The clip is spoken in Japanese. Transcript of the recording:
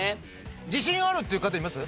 自信あるっていう方います？